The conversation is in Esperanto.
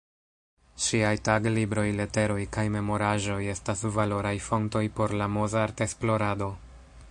Ŝiaj taglibroj, leteroj kaj memoraĵoj estas valoraj fontoj por la Mozart-esplorado.